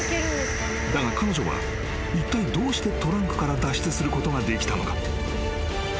［だが彼女はいったいどうしてトランクから脱出することができたのか？］